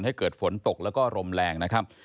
ให้เกิดฝนตกแล้วก็ลมแรงนะครับ